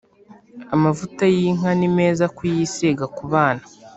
Amavuta yinka nimeza kuyisiga kubana